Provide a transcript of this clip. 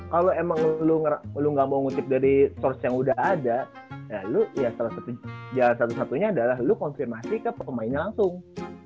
kalau emang lu gak mau ngutip dari source yang udah ada ya lu ya salah satu satunya adalah lo konfirmasi ke pemainnya langsung